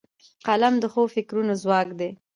قلم د ښو فکرونو ځواک دی